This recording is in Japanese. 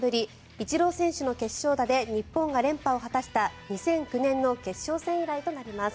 イチロー選手の決勝打で日本が連覇を果たした２００９年の決勝戦以来となります。